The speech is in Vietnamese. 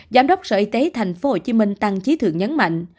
giám đốc sở y tế thành phố hồ chí minh tăng chí thượng nhấn mạnh